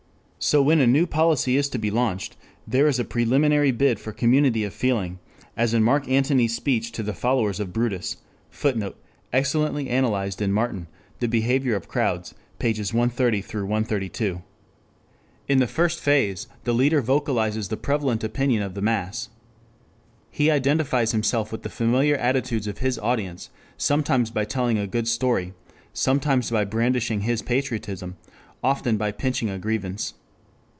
So when a new policy is to be launched, there is a preliminary bid for community of feeling, as in Mark Antony's speech to the followers of Brutus. [Footnote: Excellently analyzed in Martin, The Behavior of Crowds, pp. 130 132,] In the first phase, the leader vocalizes the prevalent opinion of the mass. He identifies himself with the familiar attitudes of his audience, sometimes by telling a good story, sometimes by brandishing his patriotism, often by pinching a grievance.